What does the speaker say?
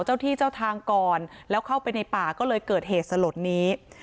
เจ้าที่เจ้าทางก่อนแล้วเข้าไปในป่าก็เลยเกิดเหตุสลดนี้